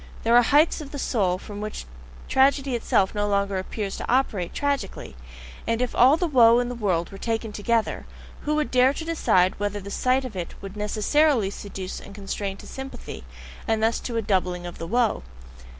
There are heights of the soul from which tragedy itself no longer appears to operate tragically; and if all the woe in the world were taken together, who would dare to decide whether the sight of it would NECESSARILY seduce and constrain to sympathy, and thus to a doubling of the woe?...